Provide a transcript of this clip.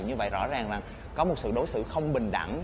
như vậy rõ ràng là có một sự đối xử không bình đẳng